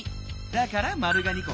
だからマルが２こ。